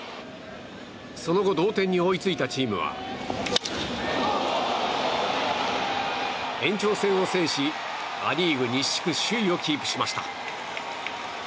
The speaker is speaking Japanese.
その後同点に追いついたチームは延長戦を制しア・リーグ西地区首位をキープしました。